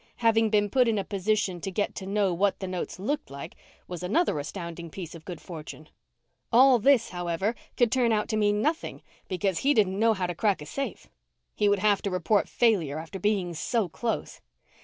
Having been put in a position to get to know what the notes looked like was another astounding piece of good fortune. All this, however, could turn out to mean nothing because he didn't know how to crack a safe. He would have to report failure after being so close.